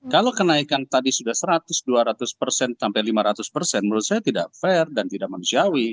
kalau kenaikan tadi sudah seratus dua ratus persen sampai lima ratus persen menurut saya tidak fair dan tidak manusiawi